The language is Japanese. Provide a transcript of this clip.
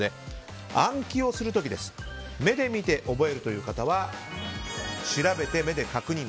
暗記をする時目で見て覚えるという方は調べて目で確認。